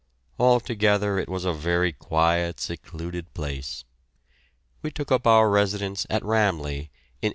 Altogether it was a very quiet, secluded place. We took up our residence at "Ramleh" in 1871.